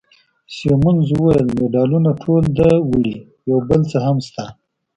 سیمونز وویل: مډالونه ټول ده وړي، یو بل څه هم شته.